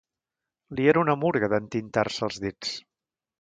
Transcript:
Li era una murga d’entintar-se els dits.